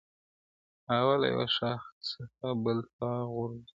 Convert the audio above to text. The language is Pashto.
• او له یوه ښاخ څخه بل ته غورځو -